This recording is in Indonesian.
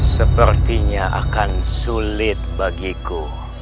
sepertinya akan sulit bagiku